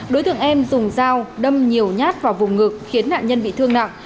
đối tượng em dùng dao đâm nhiều nhát vào vùng ngực khiến nạn nhân bị thương nặng